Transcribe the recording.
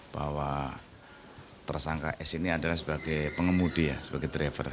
bahwa tersangka s ini adalah sebagai pengemudi ya sebagai driver